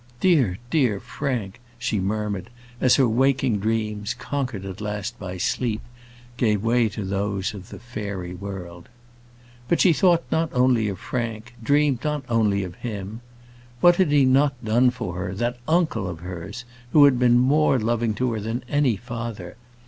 "Dear, dear Frank" she murmured, as her waking dreams, conquered at last by sleep, gave way to those of the fairy world. But she thought not only of Frank; dreamed not only of him. What had he not done for her, that uncle of hers, who had been more loving to her than any father!